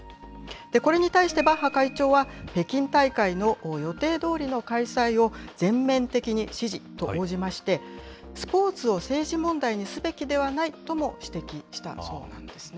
これに対して、バッハ会長は、北京大会の予定どおりの開催を全面的に支持と応じまして、スポーツを政府問題にすべきではないとも指摘したそうなんですね。